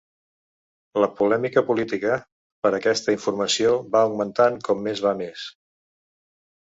La polèmica política per aquesta informació va augmentant com més va més.